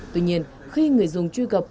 tuy nhiên khi người dùng truy cập